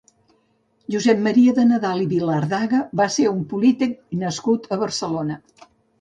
Josep Maria de Nadal i Vilardaga va ser un polític nascut a Barcelona.